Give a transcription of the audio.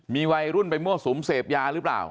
มีวัยรุ่นไปมั่วสุมเสพยาหรือเปล่า